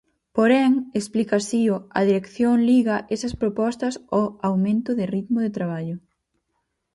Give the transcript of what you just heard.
Porén, explica Sío, a dirección liga esas propostas ao aumento de ritmo de traballo.